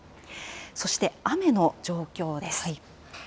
そして雨の状況です。